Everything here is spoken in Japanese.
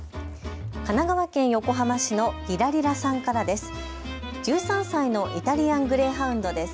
神奈川県横浜市のリラリラさんからです。